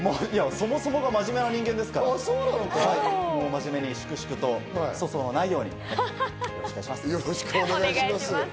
そもそもが真面目な人間ですから、今日も粛々と粗相のないようによろしくお願いします。